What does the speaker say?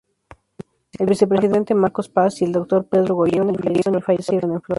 El vicepresidente Marcos Paz y el doctor Pedro Goyena vivieron y fallecieron en Flores.